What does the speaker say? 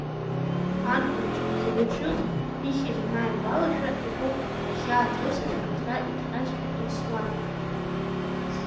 Адгәыр, дцәамхьаны дшыҟаз, ихьыз анааигәалашәа, игәы ахьааҭрысыз, аҭра иҭҟьазшәа еисуан.